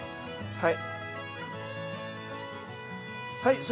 はい。